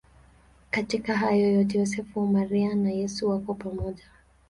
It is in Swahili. Katika hayo yote Yosefu, Maria na Yesu wako pamoja.